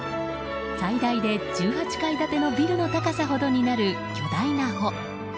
最大で１８階建てのビルの高さほどになる巨大な帆。